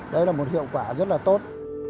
đấy là một hiệu quả rất là tốt